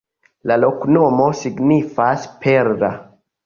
La loknomo signifas: perla.